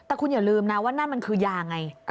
แต่คุณอย่าลืมนะว่านั่นมันคือยาไง